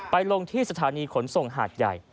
ลงที่สถานีขนส่งหาดใหญ่